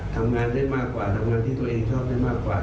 ทำงานได้มากกว่าทำงานที่ตัวเองชอบได้มากกว่า